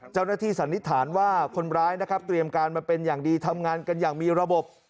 สันนิษฐานว่าคนร้ายนะครับเตรียมการมาเป็นอย่างดีทำงานกันอย่างมีระบบ